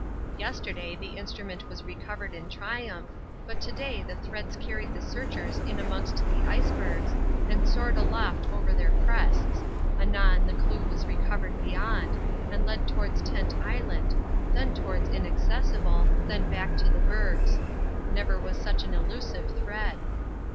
Yesterday the instrument was recovered in triumph, but to day the threads carried the searchers in amongst the icebergs and soared aloft over their crests anon the clue was recovered beyond, and led towards Tent Island, then towards Inaccessible, then back to the bergs. Never was such an elusive thread.